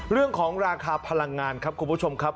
เรื่องของราคาพลังงานครับคุณผู้ชมครับ